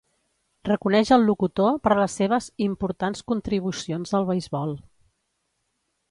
Reconeix al locutor per les seves "importants contribucions al beisbol".